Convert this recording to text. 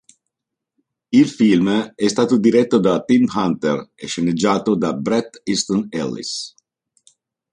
Il film è stato diretto da Tim Hunter e sceneggiato da Bret Easton Ellis.